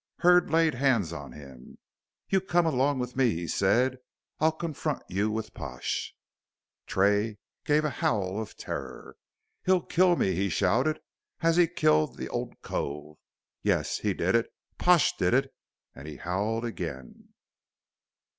Hurd laid hands on him. "You come along with me," he said. "I'll confront you with Pash." Tray gave a howl of terror. "He'll kill me," he shouted, "as he killed the old cove. Yuss. He did it. Pash did it," and he howled again.